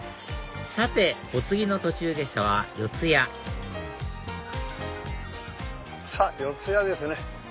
さてお次の途中下車は四ツ谷さぁ四ツ谷ですね。